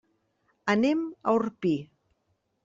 Anem a Orpí.